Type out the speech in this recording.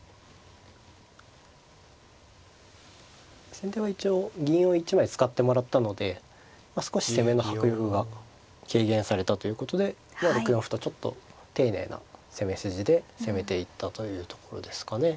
先手は一応銀を１枚使ってもらったので少し攻めの迫力が軽減されたということで６四歩とちょっと丁寧な攻め筋で攻めていったというところですかね。